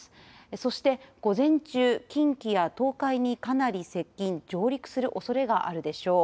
そして午前中、近畿や東海にかなり接近、上陸するおそれがあるでしょう。